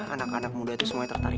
anak anak muda itu semuanya tertarik